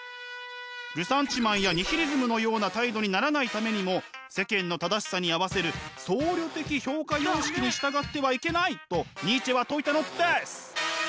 ルサンチマンやニヒリズムのような態度にならないためにも世間の正しさに合わせる僧侶的評価様式に従ってはいけないとニーチェは説いたのです！